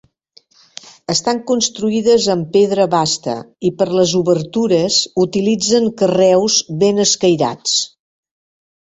Estan construïdes amb pedra basta i per les obertures utilitzen carreus ben escairats.